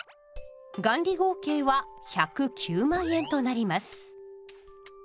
元利合計は１０９万円となります。